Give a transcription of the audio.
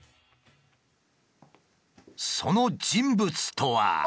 その人物とは。